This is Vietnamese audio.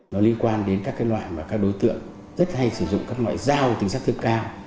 nó liên quan đến các loại mà các đối tượng rất hay sử dụng các loại dao tính sát thương cao